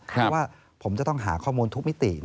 เพราะว่าผมจะต้องหาข้อมูลทุกมิติ